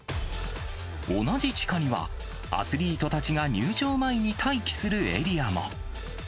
同じ地下には、アスリートたちが入場前に待機するエリアも。